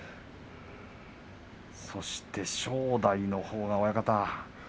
そして正代のほうは、親方。